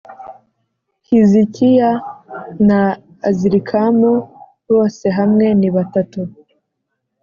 Hizikiya na Azirikamu bose hamwe ni batatu